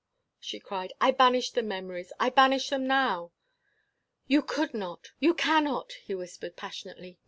she cried, "I banished the memories! I banish them now!" "You could not! You cannot!" he whispered, passionately.